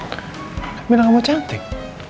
kamu bilang kamu cantik